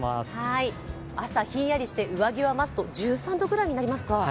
朝、ヒンヤリして上着はマスト、１３度くらいになりますか。